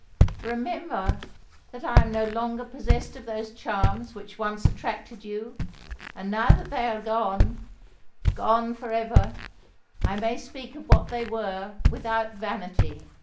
"Remember that I am no longer possessed of those charms which once attracted you; and now that they are gone—gone for ever—I may speak of what they were without vanity!